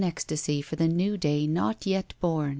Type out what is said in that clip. ecstasy for the new day not yet bom.